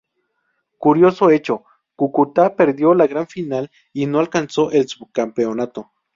Curioso hecho, Cúcuta perdió la gran final y no alcanzó el subcampeonato.